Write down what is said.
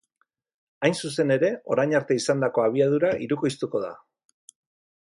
Hain zuzen ere, orain arte izandako abiadura hirukoiztuko da.